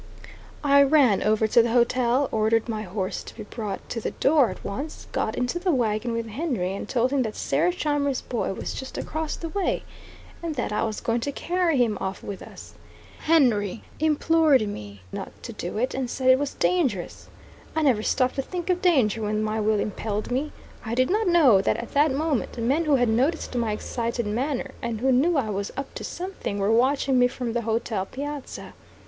I ran over to the hotel; ordered my horse to be brought to the door at once, got into the wagon with Henry and told him that Sarah Scheimer's boy was just across the way, and that I was going to carry him off with us. Henry implored me not to do it, and said it was dangerous. I never stopped to think of danger when my will impelled me. I did not know that at that moment, men who had noticed my excited manner, and who knew I was "up to something," were watching me from the hotel piazza.